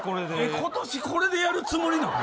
今年これでやるつもりなん？